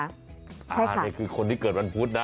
อันนี้คือคนที่เกิดวันพุธนะ